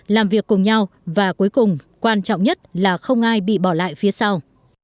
làm việc cùng nhau và cuối cùng quan trọng nhất là không ai bị bỏ lại phía sau